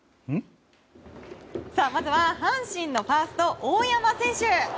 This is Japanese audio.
まずは阪神のファースト大山選手！